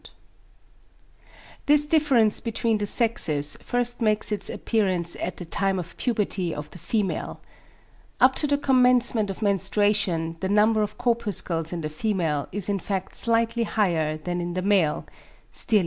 _ Maximum Minimum Average 5,250,000 4,500,000 4,500,000 This difference between the sexes first makes its appearance at the time of puberty of the female. Up to the commencement of menstruation the number of corpuscles in the female is in fact slightly higher than in the male (Stierlin).